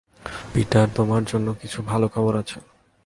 Peter, তোমার জন্য কিছু ভালো খবর আছে।